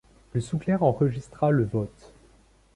Le sous-clerc enregistra le vote.